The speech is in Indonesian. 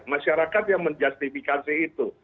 masyarakat yang menjustifikasi itu